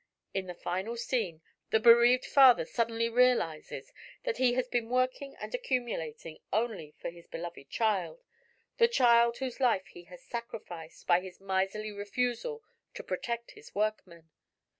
In the final scene the bereaved father suddenly realizes that he has been working and accumulating only for this beloved child the child whose life he has sacrificed by his miserly refusal to protect his workmen.